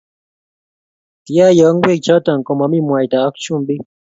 kiayoo ngwek choto ko mamii mwaita ak chumbik